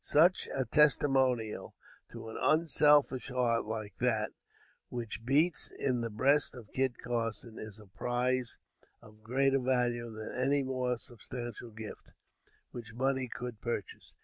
Such a testimonial to an unselfish heart like that which beats in the breast of Kit Carson, is a prize of greater value than any more substantial gift, which money could purchase.